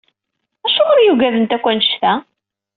Acuɣer i yugadent akk annect-a?